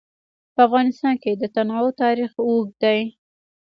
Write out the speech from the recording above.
په افغانستان کې د تنوع تاریخ اوږد دی.